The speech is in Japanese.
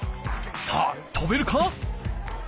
さあとべるか！？